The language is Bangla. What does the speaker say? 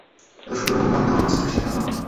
এত সুন্দর মহিলা, আমি কেন আমার স্ত্রীকে সাথে আনলাম?